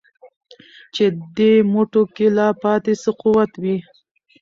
چي دي مټو كي لا پاته څه قوت وي